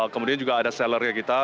kemudian juga ada sellernya kita